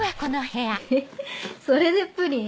えそれでプリン？